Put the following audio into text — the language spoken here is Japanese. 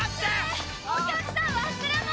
お客さん忘れ物！